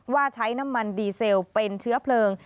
ว่าใช้น้ำมันดีเซลเป็นเชื้อเพลิง